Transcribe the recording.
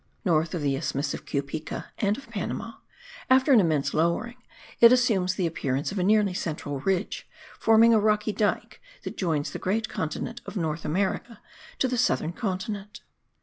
North of the isthmus of Cupica and of Panama, after an immense lowering, it assumes the appearance of a nearly central ridge, forming a rocky dyke that joins the great continent of North America to the southern continent.